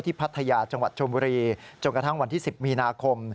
พัทยาจังหวัดชมบุรีจนกระทั่งวันที่๑๐มีนาคม